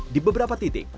di beberapa titik